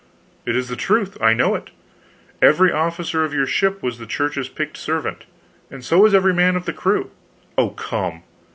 "It is the truth. I know it. Every officer of your ship was the Church's picked servant, and so was every man of the crew." "Oh, come!"